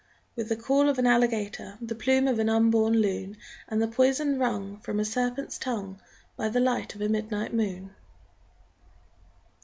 _With the caul of an alligator, The plume of an unborn loon, And the poison wrung From a serpent's tongue By the light of a midnight moon!